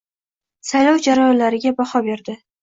Saylov jarayonlarininga baho berdi.